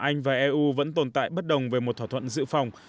anh và eu vẫn tồn tại bất đồng về một thỏa thuận dự phòng